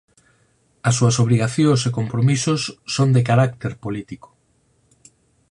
As súas obrigacións e compromisos son de carácter político.